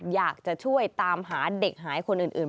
อยากจะช่วยตามหาเด็กหายคนอื่น